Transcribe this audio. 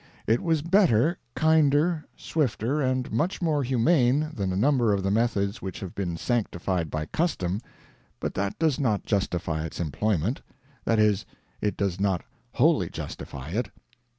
It was better, kinder, swifter, and much more humane than a number of the methods which have been sanctified by custom, but that does not justify its employment. That is, it does not wholly justify it.